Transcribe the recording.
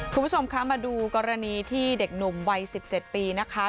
คุณผู้ชมคะมาดูกรณีที่เด็กหนุ่มวัย๑๗ปีนะคะ